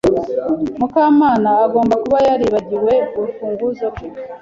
Mukakamana agomba kuba yaribagiwe urufunguzo rwe.